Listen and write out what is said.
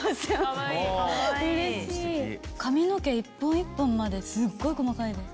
髪の毛一本一本まですっごい細かいです。